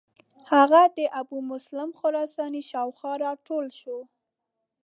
هغه د ابومسلم خراساني شاو خوا را ټول شو.